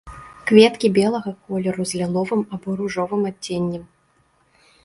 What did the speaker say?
Кветкі белага колеру з ліловым або ружовым адценнем.